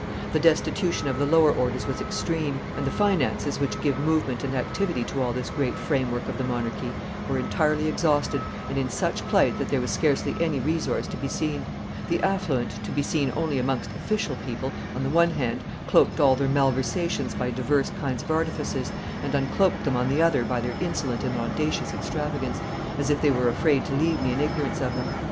The destitution of the lower orders was extreme, and the finances, which give movement and activity to all this great framework of the monarchy, were entirely exhausted and in such plight that there was scarcely any resource to be seen; the affluent, to be seen only amongst official people, on the one hand cloaked all their malversations by divers kinds of artifices, and uncloaked them on the other by their insolent and audacious extravagance, as if they were afraid to leave me in ignorance of them."